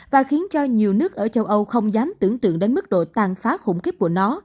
và khiến cho nhiều nước ở châu âu không dám tưởng tượng đến mức độ tàn phá khủng khiếp của nó